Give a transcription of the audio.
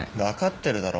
分かってる